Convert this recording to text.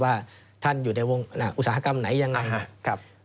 ว่าท่านอยู่ในวงอุตสาหกรรมไหนยังไง